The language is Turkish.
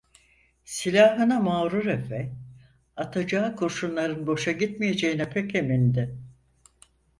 Silahına mağrur efe, atacağı kurşunların boşa gitmeyeceğine pek emindi.